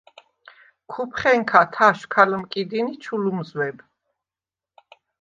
ქუფხენქა თაშვ ქა ლჷმკიდინ ი ჩუ ლჷმზვებ.